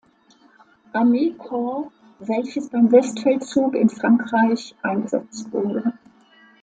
Armeekorps, welches beim Westfeldzug in Frankreich eingesetzt wurde.